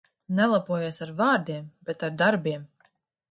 Nelepojies ar vārdiem, bet ar darbiem.